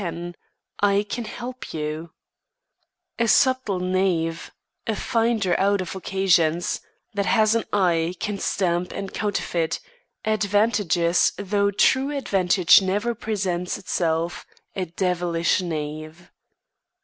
X "I CAN HELP YOU" A subtle knave; a finder out of occasions; That has an eye can stamp and counterfeit Advantages though true advantage never presents Itself; A devilish knave!